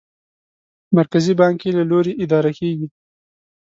مرکزي بانک یې له لوري اداره کېږي.